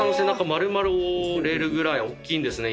丸々覆えるぐらい大っきいんですね